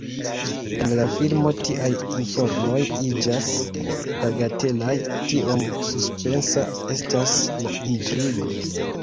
En la filmo tiaj informoj iĝas bagatelaj, tiom suspensa estas la intrigo.